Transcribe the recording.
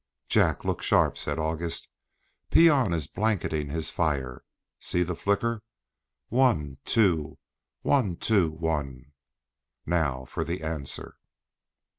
"Jack, look sharp!" said August. "Peon is blanketing his fire. See the flicker? One, two one, two one. Now for the answer."